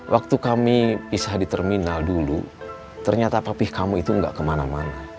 waktu kami pisah di terminal dulu ternyata papih kamu itu nggak kemana mana